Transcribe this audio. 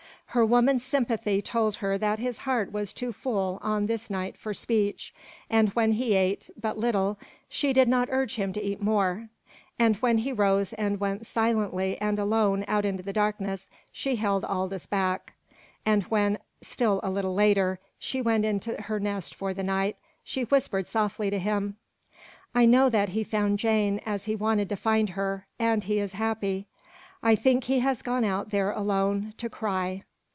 Her woman's sympathy told her that his heart was too full on this night for speech, and when he ate but little she did not urge him to eat more; and when he rose and went silently and alone out into the darkness she held Aldous back; and when, still a little later, she went into her nest for the night, she whispered softly to him: "I know that he found Jane as he wanted to find her, and he is happy. I think he has gone out there alone to cry."